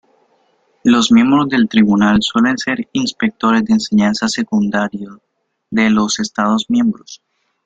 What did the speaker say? Los miembros del tribunal suelen ser Inspectores de Enseñanza Secundaria de los Estados Miembros.